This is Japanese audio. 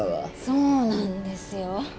そうなんですよ。